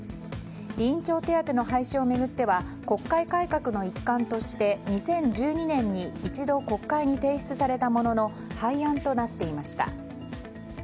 委員長手当の廃止を巡っては国会改革の一環として２０１２年に一度国会に提出されたものの廃案となっていました。